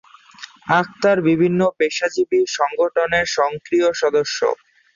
আখতার বিভিন্ন পেশাজীবী সংগঠনের সক্রিয় সদস্য।